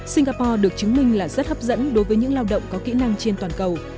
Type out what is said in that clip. singapore được chứng minh là rất hấp dẫn đối với những lao động có kỹ năng trên toàn cầu